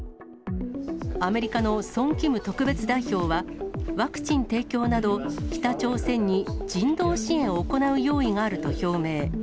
アメリカのソン・キム特別代表は、ワクチン提供など、北朝鮮に人道支援を行う用意があると表明。